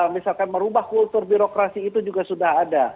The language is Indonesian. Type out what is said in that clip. misalkan merubah kultur birokrasi itu juga sudah ada